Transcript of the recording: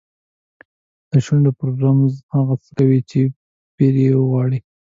د شونډو په رموز هغه څه کوي چې پیر یې غواړي.